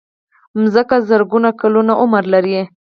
مځکه زرګونه کلونه عمر لري.